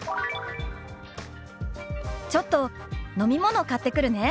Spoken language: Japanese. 「ちょっと飲み物買ってくるね」。